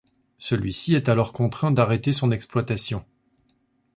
Celui-ci est alors contraint d'arrêter son exploitation.